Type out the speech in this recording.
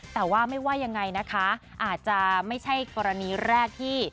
แต่ว่าไม่ว่ายังไงนะคะอาจจะไม่ใช่กรณีแรกที่